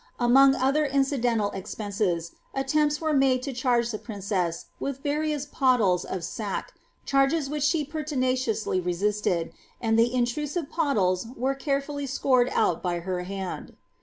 Among ler incidental expenses, attempts were made to charge the (irincesa th various potties of sack, charges wliich slie pertinaciously resistetl, li the intnuive pottles are caret'ully scored out by her hand.'